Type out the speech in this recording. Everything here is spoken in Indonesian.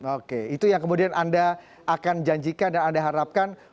oke itu yang kemudian anda akan janjikan dan anda harapkan